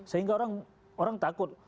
sehingga orang takut